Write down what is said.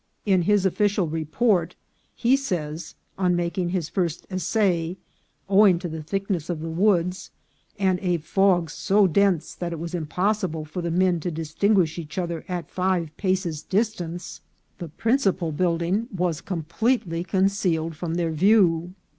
In his official report he says, on ma king his first essay, owing to the thickness of the woods, and a fog so dense that it was impossible for the men to distinguish each other at five paces' distance, the 296 INCIDENTS OF TRAVEL. principal building was completely concealed from their view.